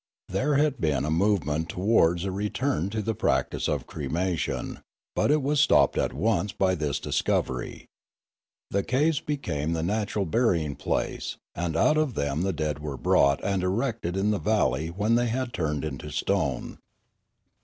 There had been a movement towards a return to the practice of cremation, but it was stopped at once by this discovery. The caves became the natural burying place, and out of them the dead were brought and erected in the val ley when they had turned into stone.